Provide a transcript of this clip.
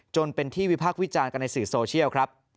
จนเป็นที่วิพากษ์วิจารณ์กันในสื่อโซเชียลครับ